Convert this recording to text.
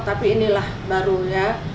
tapi inilah barunya